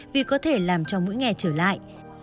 vì có thể làm cho mũi nghè trở lại